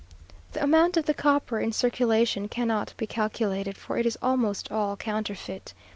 The amount of the copper in circulation cannot be calculated, for it is almost all counterfeit.